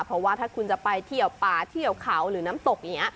เพราะว่าถ้าคุณจะไปเที่ยวป่าเที่ยวเขาหรือน้ำตกอย่างนี้